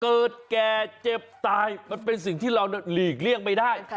เกิดแก่เจ็บตายมันเป็นสิ่งที่เราหลีกเลี่ยงไม่ได้